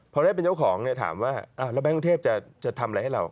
พอได้เป็นเจ้าของเนี่ยถามว่าแล้วแก๊งเทพจะทำอะไรให้เรา